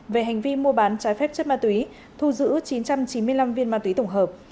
về hành vi mua bán trái phép chất ma túy thu giữ chín trăm chín mươi năm viên ma túy tổng hợp